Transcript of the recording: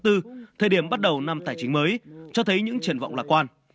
thời điểm bắt đầu năm tài chính mới cho thấy những triển vọng lạc quan